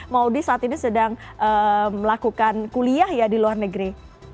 maudie saat ini sedang melakukan kuliah ya di luar negeri